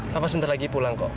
bapak sebentar lagi pulang kok